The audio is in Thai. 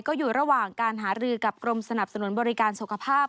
ก็อยู่ระหว่างการหารือกับกรมสนับสนุนบริการสุขภาพ